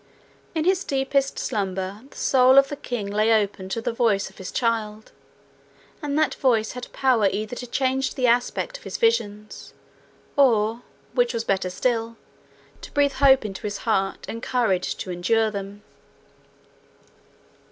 In his deepest slumber, the soul of the king lay open to the voice of his child, and that voice had power either to change the aspect of his visions, or, which was better still, to breathe hope into his heart, and courage to endure them.